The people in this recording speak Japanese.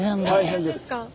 大変ですか？